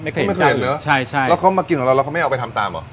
ไม่เคยเปลี่ยนเนอะใช่ใช่แล้วเขามากินของเราแล้วเขาไม่เอาไปทำตามเหรอ